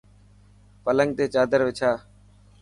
پلنگ تي چادر وڇا.